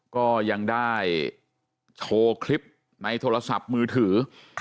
ก็ยังได้โชว์คลิปในโทรศัพท์มือถือ